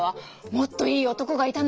もっといい男がいたのよ。